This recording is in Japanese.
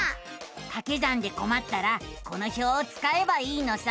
かけ算でこまったらこの表をつかえばいいのさ。